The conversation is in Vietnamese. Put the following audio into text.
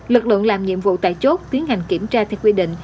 lực lượng làm nhiệm vụ tại chốt tiến hành kiểm tra theo quy định